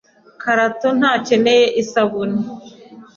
Karato ntakeneye isabune.